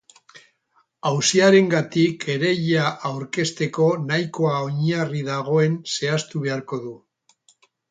Auziarengatik kereila aurkezteko nahikoa oinarri dagoen zehaztu beharko du.